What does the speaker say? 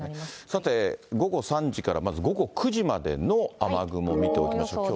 さて、午後３時からまず午後９時までの雨雲見ておきましょう。